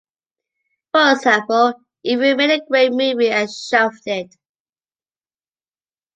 For example, if you made a great movie and shelved it.